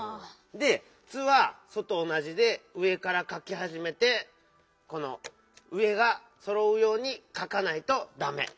で「ツ」は「ソ」とおなじで上からかきはじめてこの上がそろうようにかかないとダメ！